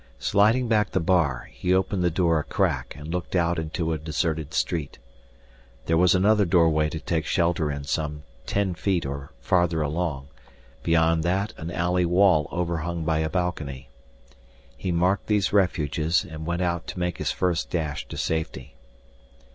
Sliding back the bar, he opened the door a crack and looked out into a deserted street. There was another doorway to take shelter in some ten feet or so farther along, beyond that an alley wall overhung by a balcony. He marked these refuges and went out to make his first dash to safety.